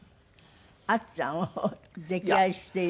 あっちゃんを溺愛している。